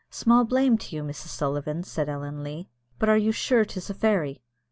"Small blame to you, Mrs. Sullivan," said Ellen Leah, "but are you sure 'tis a fairy?"